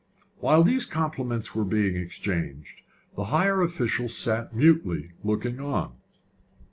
While these compliments were being exchanged, the higher officials sat mutely looking on.